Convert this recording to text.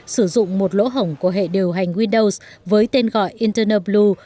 sử dụng một lỗ hổng của hệ điều hành windows với tên gọi internet blue